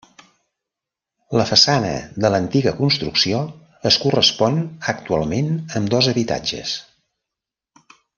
La façana de l'antiga construcció es correspon actualment amb dos habitatges.